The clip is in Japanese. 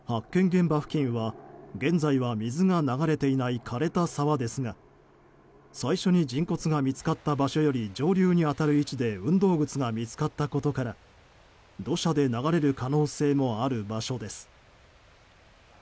現場付近は現在は水が流れていない枯れた沢ですが最初に人骨が見つかった場所より上流に当たる位置で運動靴が見つかったことから土砂で流れる可能性もある場所です。